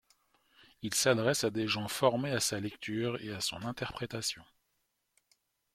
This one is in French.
Il s'adresse à des gens formés à sa lecture et à son interprétation.